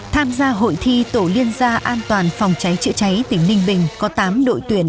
tham gia hội thi tổ liên gia an toàn phòng cháy chữa cháy tỉnh ninh bình có tám đội tuyển